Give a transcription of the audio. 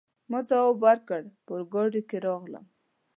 ما ځواب ورکړ: په اورګاډي کي راغلم.